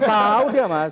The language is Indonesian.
tahu dia mas